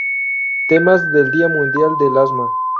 Temas del Día Mundial del Asma